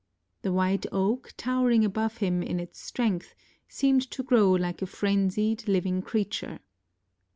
The white oak, towering above him in its strength, seemed to grow like a frenzied, living creature.